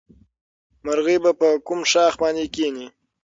مرغۍ به په کوم ښاخ باندې کېني؟